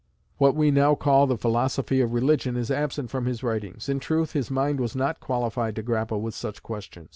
What we now call the philosophy of religion is absent from his writings. In truth, his mind was not qualified to grapple with such questions.